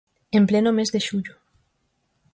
En pleno mes de xullo.